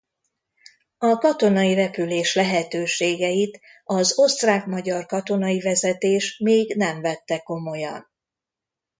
A katonai repülés lehetőségeit az osztrák–magyar katonai vezetés még nem vette komolyan.